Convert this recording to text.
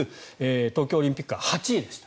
東京オリンピック８位でした。